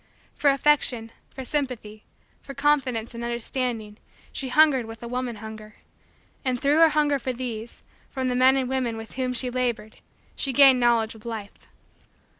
For affection, for sympathy, for confidence, and understanding, she hungered with a woman hunger; and, through her hunger for these, from the men and women with whom she labored she gained Knowledge of Life.